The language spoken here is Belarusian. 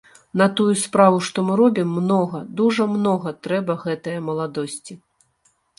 На тую справу, што мы робім, многа, дужа многа трэба гэтае маладосці.